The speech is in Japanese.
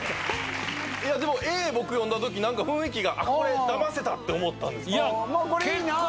でもＡ僕読んだ時雰囲気がダマせた！って思ったんですけど。